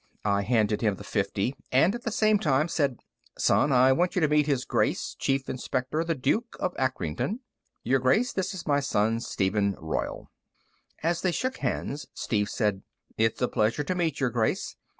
I handed him the fifty, and, at the same time, said: "Son, I want you to meet His Grace, Chief Inspector the Duke of Acrington. Your Grace, this is my son, Steven Royall." As they shook hands, Steve said: "It's a pleasure to meet Your Grace.